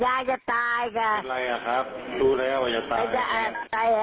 ยายจะตายก็เป็นไรอ่ะครับรู้แล้วว่าจะตาย